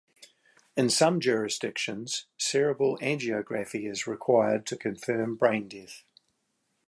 In some jurisdictions, cerebral angiography is required to confirm brain death.